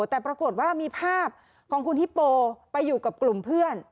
แต่ปรากฏว่ามีภาพของคุณฮิปโปไปอยู่กับกลุ่มเพื่อน